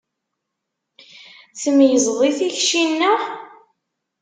Tmeyyzeḍ i tikci-nneɣ?